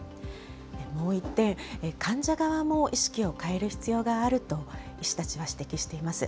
もう１点、患者側も意識を変える必要があると医師たちは指摘しています。